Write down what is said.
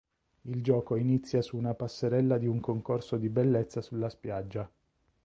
Il gioco inizia su una passerella di un concorso di bellezza sulla spiaggia.